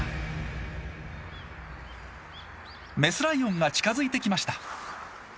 メスライオンが近づいてきました。